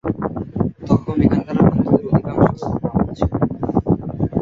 তখন এখানকার হিন্দুদের অধিকাংশ ব্রাহ্মণ ছিল।